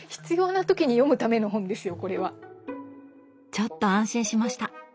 ちょっと安心しました！